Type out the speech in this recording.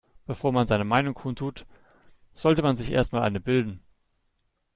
Bevor man seine Meinung kundtut, sollte man sich erst mal eine bilden.